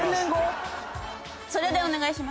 それでお願いします。